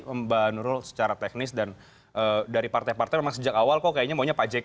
mbak nurul secara teknis dan dari partai partai memang sejak awal kok kayaknya maunya pak jk